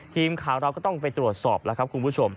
ทีมข่าวเราก็ต้องไปตรวจสอบแล้วครับคุณผู้ชม